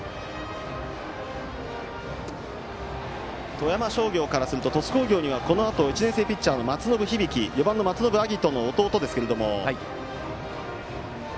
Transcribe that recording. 富山商業からすると鳥栖工業にはこのあと、１年生ピッチャーの松延響という４番の松延晶音の弟がいます。